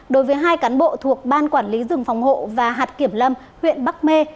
đối với hai cán bộ thuộc ban quản lý rừng phòng hộ và hạt kiểm lâm huyện bắc mê